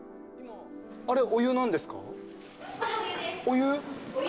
あれお湯なんですか？